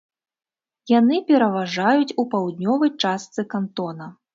Яны пераважаюць у паўднёвай частцы кантона.